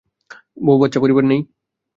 বৌ, বা্চ্চা, পরিবার নেই?